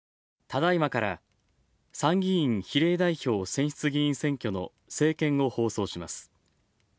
ただいまから参議院比例代表選出議員選挙の政見を放送します。